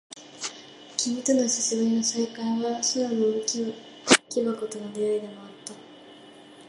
君との久しぶりの再会は、空の木箱との出会いでもあった。